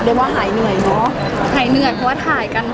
ว่าหายเหนื่อยเนอะหายเหนื่อยเพราะว่าถ่ายกัน